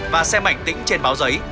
và xem ảnh tĩnh trên báo giấy